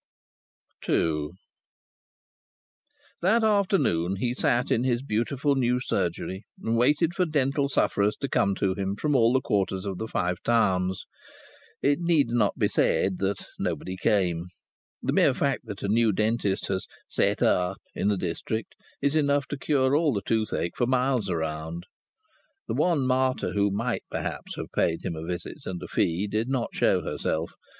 II That afternoon he sat in his beautiful new surgery and waited for dental sufferers to come to him from all quarters of the Five Towns. It needs not to be said that nobody came. The mere fact that a new dentist has "set up" in a district is enough to cure all the toothache for miles around. The one martyr who might, perhaps, have paid him a visit and a fee did not show herself.